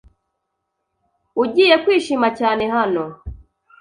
Ugiye kwishima cyane hano.